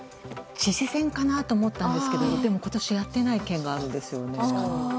知事選かなと思ったんですけど今年やってない県もあるんですよね。